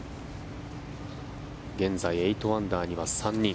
現在、８アンダーには３人。